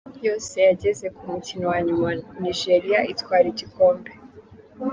Yose yageze ku mukino wa nyuma Nigeria itwara igikombe.